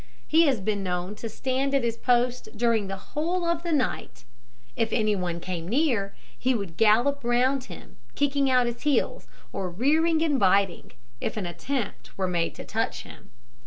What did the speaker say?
He has been known to stand at his post during the whole of the night. If any one came near, he would gallop round him, kicking out his heels; or rearing and biting, if an attempt were made to touch him.